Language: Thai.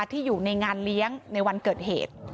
ที่อยู่ในงานเลี้ยงในวันเกิดเหตุ